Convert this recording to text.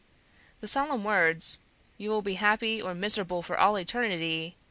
The solemn words, "You will be happy or miserable for all eternity!"